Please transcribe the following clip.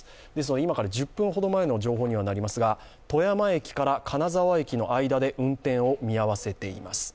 今から１０分ほど前の情報にはなりますが富山駅から金沢駅の間で運転を見合わせています。